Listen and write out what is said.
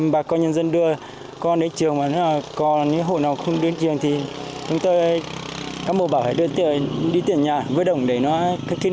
bà con nhân dân đưa con đến trường mà nếu là con nếu hồ nào không đến trường thì chúng ta cán bộ bảo phải đi tiện nhà vứt đồng để nó khắc kích